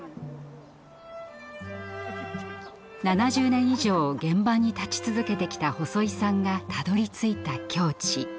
７０年以上現場に立ち続けてきた細井さんがたどりついた境地。